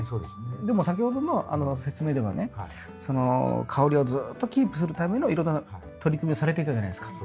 でも先ほどの説明ではね香りをずっとキープするためのいろんな取り組みをされていたじゃないですか。